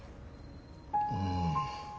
うん。